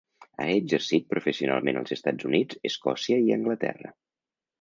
Ha exercit professionalment als Estats Units, Escòcia i Anglaterra.